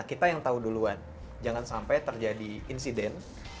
kita yang tahu duluan jangan sampai terjadi insiden